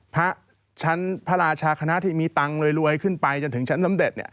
พระชั้นพระราชาคณะที่มีตังค์รวยขึ้นไปจนถึงชั้นสมเด็จ